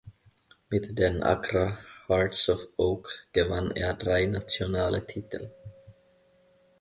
Mit den Accra Hearts of Oak gewann er drei nationale Titel.